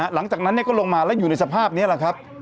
หลังจากนั้นก็ลงมาแล้วอยู่ในสภาพนี้แหละครับ